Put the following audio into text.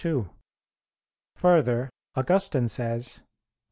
2: Further, Augustine says (De Civ.